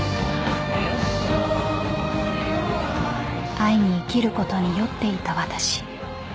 ［愛に生きることに酔っていた私］